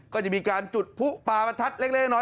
ก็จะมีการจุดประทัดเล็กน้อย